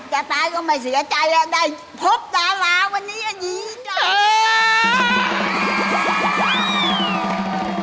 จะตายก็ไม่เสียใจได้พบดาราวันนี้ก็ดีกว่า